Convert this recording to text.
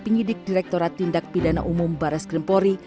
penyidik direkturat tindak pidana umum barres krimpori